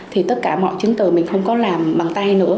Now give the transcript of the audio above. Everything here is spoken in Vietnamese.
thì tất cả mọi chứng từ mình không có làm bằng tay nữa